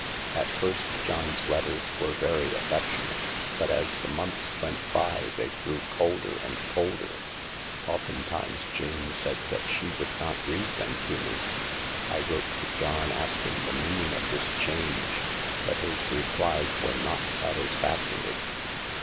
At first John's letters were very affec tionate, but as the months went by they grew colder and colder. Oftentimes Jane said that she would not read them to me. I wrote to John asking the meaning of this change ; but his re plies were not satisfactory.